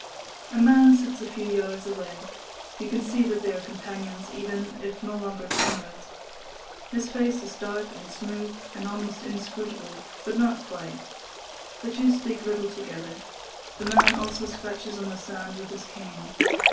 A man sits a few yards away. You can see that they are companions, even if no longer comrades. His face is dark and smooth, and almost inscrutable—but not quite. The two speak little together. The man also scratches on the sand with his cane.